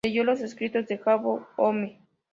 Leyó los escritos de Jakob Böhme.